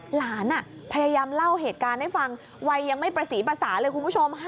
หลานพยายามเล่าเหตุการณ์ให้ฟังวัยยังไม่ประสีประสานเลยคุณผู้ชม